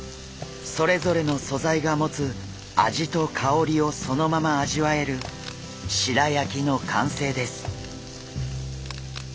それぞれの素材が持つ味とかおりをそのまま味わえる白焼きの完成です。